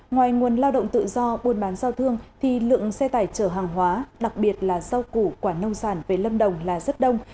ngoài nguồn lao động tự do buôn bán giao thương thì lượng xe tải trở hàng hóa đặc biệt là giao củ quản nông sản với lâm đồng là rất đông